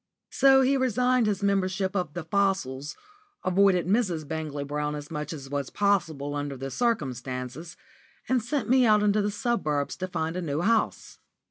So he resigned his membership of the "Fossils," avoided Mrs. Bangley Brown as much as was possible under the circumstances, and sent me out into the suburbs to find a new house.